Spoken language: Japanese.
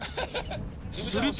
すると。